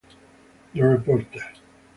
The Reporter